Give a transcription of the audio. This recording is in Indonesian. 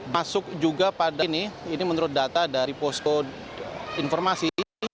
masuk juga pada ini ini menurut data dari posko informasi